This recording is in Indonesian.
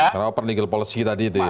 karena open legal policy tadi itu ya